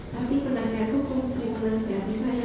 tapi penasihat hukum sering menasihati saya